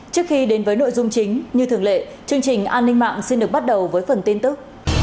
trước khi đến với nội dung chính như thường lệ chương trình an ninh mạng xin được bắt đầu với phần tin tức